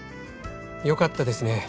よかったですね。